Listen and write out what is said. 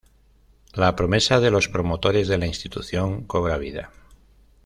La promesa de los promotores de la Institución, cobra vida.